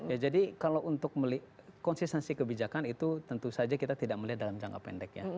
ya jadi kalau untuk konsistensi kebijakan itu tentu saja kita tidak melihat dalam jangka pendek ya